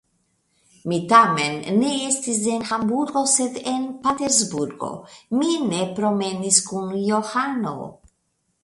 Mi tamen ne estis en Hamburgo, sed en Patersburgo; mi ne promenis kun Johano.